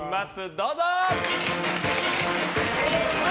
どうぞ！